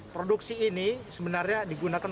produksi ini sebenarnya digunakan